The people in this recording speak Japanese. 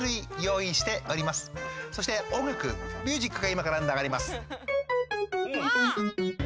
そしておんがくミュージックがいまからながれます。